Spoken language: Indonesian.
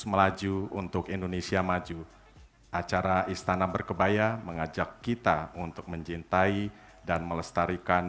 melaju untuk indonesia maju acara istana berkebaya mengajak kita untuk mencintai dan melestarikan